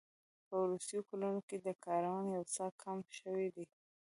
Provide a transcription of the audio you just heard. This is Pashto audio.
په وروستیو کلونو کې دا کارونه یو څه کم شوي دي